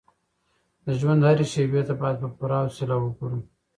د ژوند هرې شېبې ته باید په پوره حوصله وګورو.